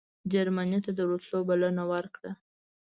جرمني ته د ورتلو بلنه ورکړه.